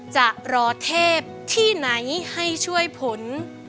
จะรอเทพที่ไหนให้ช่วยผล